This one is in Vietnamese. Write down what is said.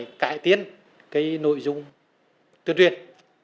phải cải tiến cái nội dung tuyên truyền